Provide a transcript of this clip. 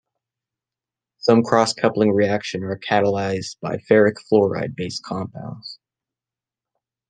Some cross coupling reaction are catalyzed by ferric fluoride-based compounds.